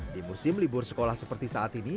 di musim libur sekolah seperti saat ini